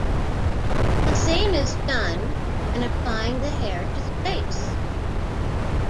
The same is done when applying the hair to the base.